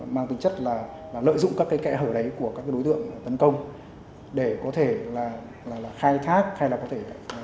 mang tính chất là lợi dụng các cái kẻ hở đấy của các đối tượng tấn công để có thể là khai thác hay là có thể đánh giá